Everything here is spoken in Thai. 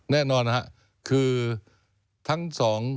แน่นอนนะครับคือทั้งสอง